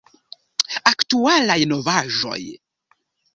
Aktualaj novaĵoj!